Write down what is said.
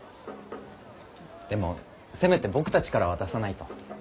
でもせめて僕たちから渡さないと。